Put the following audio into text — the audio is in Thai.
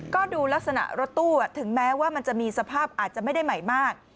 ก็ดูลักษณะรถตู้ถึงแม้ว่ามันจะมีสภาพอาจจะไม่ได้ใหม่มาก